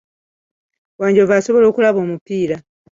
Wanjovu asobola okulaba omupiira.